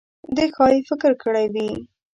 ده ښايي فکر کړی وي.